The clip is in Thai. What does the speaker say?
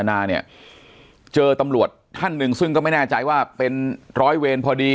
นานาเนี่ยเจอตำรวจท่านหนึ่งซึ่งก็ไม่แน่ใจว่าเป็นร้อยเวรพอดี